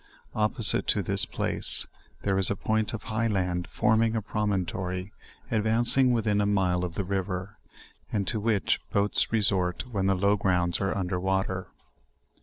Oppo site to this place, there is a point of high land forming a promontory, advancing within a mile of the river, and to which bouts resort when the low grounds are under water.